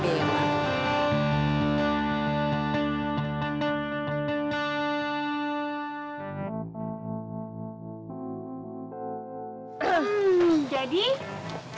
terus percaya penuh sama adriana